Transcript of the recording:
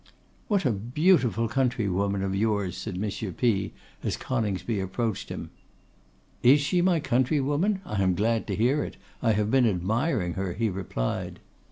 'What a beautiful countrywoman of yours!' said M. P s, as Coningsby approached him. 'Is she my countrywoman? I am glad to hear it; I have been admiring her,' he replied.